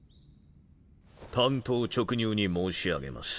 単刀直入に申し上げます。